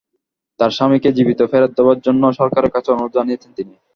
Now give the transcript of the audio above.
তাঁর স্বামীকে জীবিত ফেরত দেওয়ার জন্য সরকারের কাছে অনুরোধ জানিয়েছেন তিনি।